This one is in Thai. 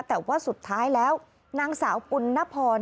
แต่ว่าสุดท้ายแล้วนางสาวปุณนพร